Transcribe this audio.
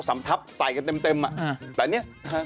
สำทับใส่กันเต็มแต่นี่